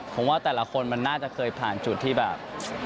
ผมว่าแต่ละคนมันน่าจะเคยผ่านจุดที่แบบ